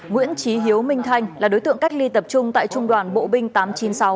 nguyễn trí hiếu minh thanh là đối tượng cách ly tập trung tại trung đoàn bộ binh tám trăm chín mươi sáu